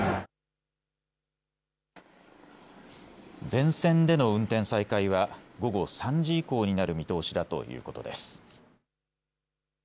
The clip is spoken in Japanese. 全線での運転再開は午後３時以降になる見通しだということです。